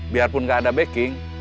biarpun gak ada backing